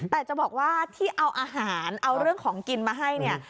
แต่จะบอกว่าที่เอาอาหารเอาเรื่องของกินมาให้เนี่ย